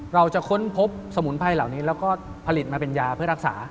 เราจะค้นพบสมุนไพรเหล่านี้แล้วก็ผลิตมาเป็นยาเพื่อรักษา